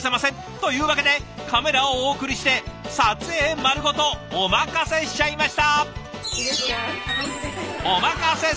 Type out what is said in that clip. というわけでカメラをお送りして撮影丸ごとお任せしちゃいました。